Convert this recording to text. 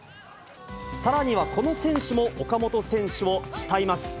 さらにはこの選手も岡本選手を慕います。